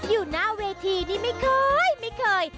อยู่หน้าเวทย์นี้ไม่เคย